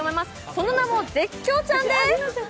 その名も絶叫ちゃんです。